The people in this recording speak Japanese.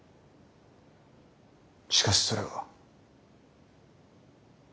しかしそれは。